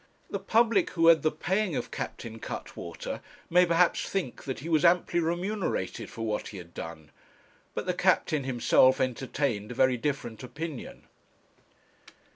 The public who had the paying of Captain Cuttwater may, perhaps, think that he was amply remunerated for what he had done; but the captain himself entertained a very different opinion.